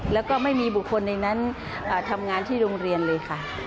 แล้วก็ไม่มีบุคคลในนั้นทำงานที่โรงเรียนเลยค่ะ